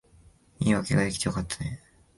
いい言い訳が出来てよかったね